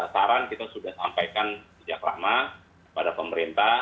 saran kita sudah sampaikan sejak lama pada pemerintah